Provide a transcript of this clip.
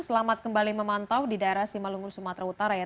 selamat kembali memantau di daerah simalungun sumatera utara ya